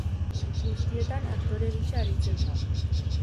Guztietan aktore gisa aritzen da.